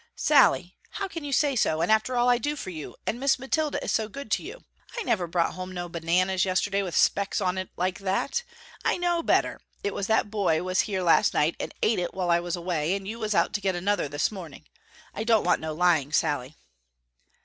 "Sallie, how can you say so and after all I do for you, and Miss Mathilda is so good to you. I never brought home no bananas yesterday with specks on it like that. I know better, it was that boy was here last night and ate it while I was away, and you was out to get another this morning. I don't want no lying Sallie."